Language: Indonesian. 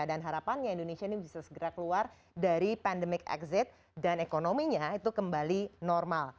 dan harapannya indonesia ini bisa segera keluar dari pandemic exit dan ekonominya itu kembali normal